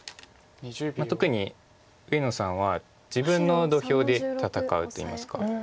特に上野さんは自分の土俵で戦うといいますか。